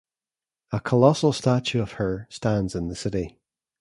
A colossal statue of her stands in the city.